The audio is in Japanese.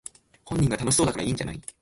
本人が楽しそうだからいいんじゃない